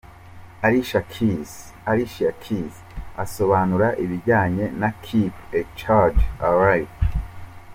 Alicia Keys asobanura ibijyanye na ’’Keep a Child Alive’’:.